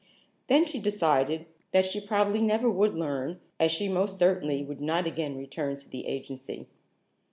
Then she decided that she probably never would learn, as she most certainly would not again return to the agency.